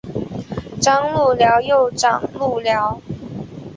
张路寮又掌路寮。